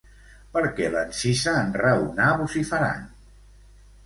Per què l'encisa, enraonar vociferant?